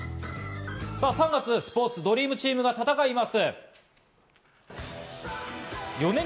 さぁ、３月スポーツドリームチームが戦います。